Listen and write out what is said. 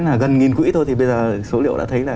là gần nghìn quỹ thôi thì bây giờ số liệu đã thấy là